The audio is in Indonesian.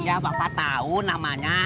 iya bapak tau namanya